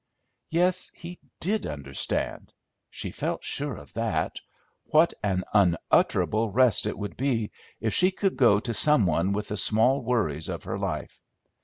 Yes, he did understand, she felt sure of that. What an unutterable rest it would be if she could go to some one with the small worries of her life!